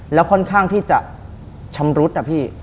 แล้วค่อนข้างที่จะชำรุดนะพี่